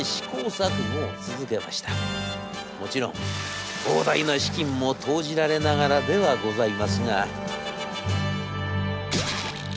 もちろん膨大な資金も投じられながらではございますが」。